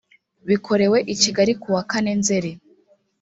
bikorewe i kigali kuwa kane nzeri